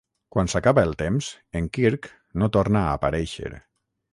Quan s'acaba el temps, en Kirk no torna a aparèixer.